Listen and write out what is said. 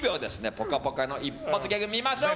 「ぽかぽか」の一発ギャグを見ましょう。